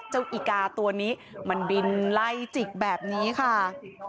อีกาตัวนี้มันบินไล่จิกแบบนี้ค่ะ